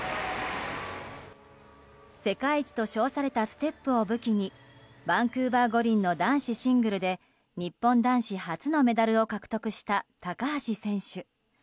世界一と称されたステップを武器にバンクーバー五輪の男子シングルで日本人男子初のメダルを獲得した高橋選手。